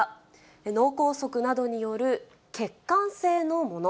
脳梗塞などによる血管性のもの。